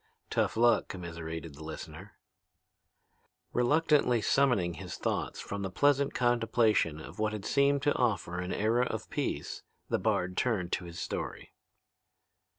"Tough luck," commiserated the listener. Reluctantly summoning his thoughts from the pleasant contemplation of what had seemed to offer a new era of peace, the bard turned to his story.